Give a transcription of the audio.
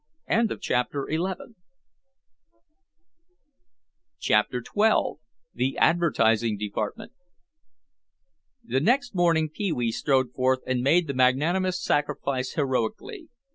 CHAPTER XII THE ADVERTISING DEPARTMENT The next morning Pee wee strode forth and made the magnanimous sacrifice heroically.